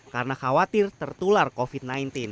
karena khawatir tertular covid sembilan belas